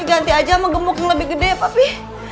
diganti aja sama gemuk yang lebih gede ya papi